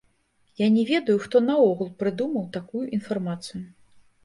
Я не ведаю, хто наогул прыдумаў такую інфармацыю.